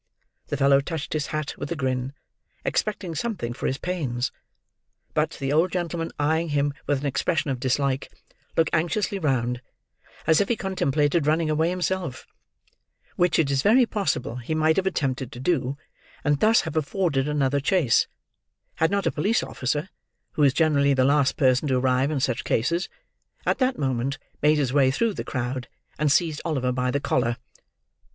The fellow touched his hat with a grin, expecting something for his pains; but, the old gentleman, eyeing him with an expression of dislike, look anxiously round, as if he contemplated running away himself: which it is very possible he might have attempted to do, and thus have afforded another chase, had not a police officer (who is generally the last person to arrive in such cases) at that moment made his way through the crowd, and seized Oliver by the collar.